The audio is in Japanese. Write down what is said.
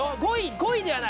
５位ではない。